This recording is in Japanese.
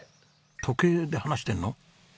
時計で話してるの？